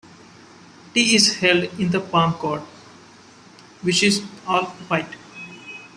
Tea is held in the Palm Court, which is all-white.